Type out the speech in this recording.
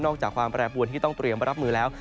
จากความแปรปวนที่ต้องเตรียมรับมือแล้ว